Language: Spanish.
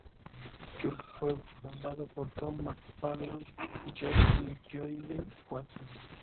Jungle fue fundado por Tom McFarland y Josh Lloyd-Watson.